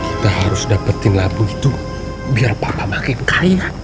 kita harus dapetin lagu itu biar papa makin kaya